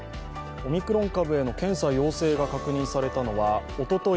オミクロン株への検査陽性が確認されたのはおととい